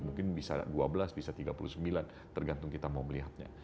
mungkin bisa dua belas bisa tiga puluh sembilan tergantung kita mau melihatnya